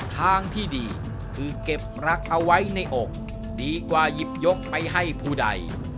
ทางที่ดีคือเก็บรักเอาไว้ในอกดีกว่าหยิบยกไปให้ผู้ใด